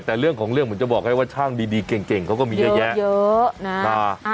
แต่เรื่องของเรื่องเหมือนจะบอกให้ว่าช่างดีเก่งเขาก็มีเยอะแยะเยอะนะ